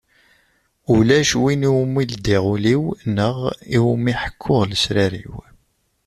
Ulac win i wumi ldiɣ ul-iw neɣ i wumi ḥekkuɣ lesrar-iw.